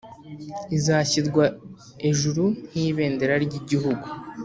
izashyirwa ejuru nk’ibendera ry’igihugu,